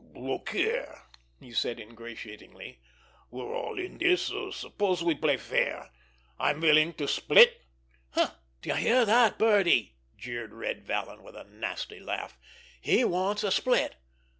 "Look here," he said ingratiatingly, "we're all in this. Suppose we play fair. I'm willing to split." "D'ye hear that, Birdie?" jeered Red Vallon, with a nasty laugh. "He wants a split!